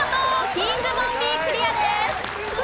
キングボンビークリアです。